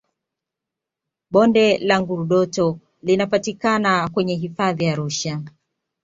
bonde la ngurdoto linapatikana kwenye hifadhi ya arusha